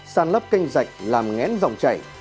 sàn lấp canh dạch làm ngén dòng chảy